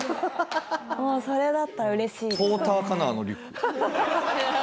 もうそれだったら嬉しいですよね。